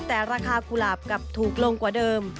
แต่ราคากุหลาบกลับถูกลงกว่าเดิม